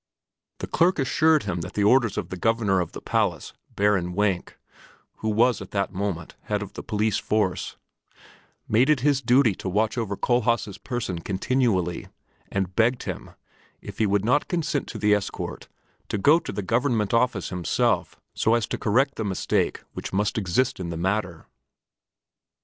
The clerk assured him that the orders of the Governor of the Palace, Baron Wenk, who was at that moment head of the police force, made it his duty to watch over Kohlhaas' person continually, and begged him, if he would not consent to the escort, to go to the Government Office himself so as to correct the mistake which must exist in the matter.